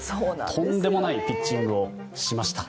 とんでもないピッチングをしました。